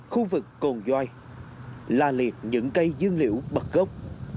khu vực cồn roi là liệt những cây dương liễu bậc gốc